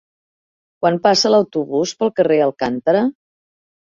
Quan passa l'autobús pel carrer Alcántara?